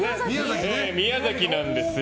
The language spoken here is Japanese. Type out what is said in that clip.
宮崎なんですよ。